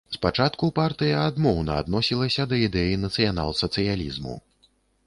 Спачатку партыя адмоўна адносілася да ідэі нацыянал-сацыялізму.